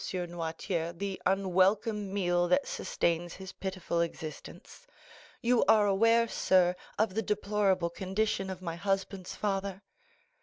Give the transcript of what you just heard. Noirtier the unwelcome meal that sustains his pitiful existence. You are aware, sir, of the deplorable condition of my husband's father?"